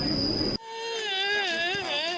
แม็กกี้อยากบอกอะไรกับครอบครัวภรรยาไหมเป็นครั้งสุดท้าย